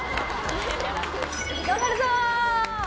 頑張るぞ！